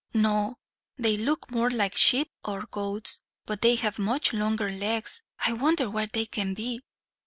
"No, they look more like sheep or goats, but they have much longer legs. I wonder what they can be!"